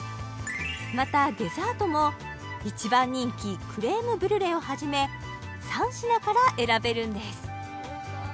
またデザートも一番人気クレームブリュレをはじめ３品から選べるんです